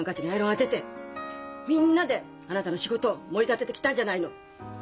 みんなであなたの仕事をもり立ててきたんじゃないの。